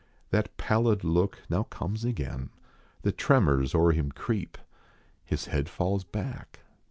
That pallid look now comes again. The tremors o er him creep. His head falls back.